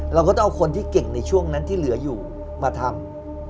เราก็ต้องเอาคนที่เก่งในช่วงนั้นที่เหลืออยู่มาทำ